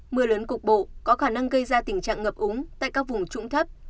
mưa lớn cục bộ có khả năng gây ra tình trạng ngập úng tại các vùng trũng thấp